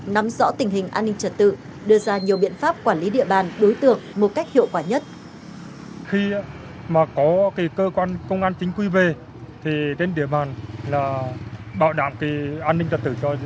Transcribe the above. nói chung nắm rõ tình hình an ninh trật tự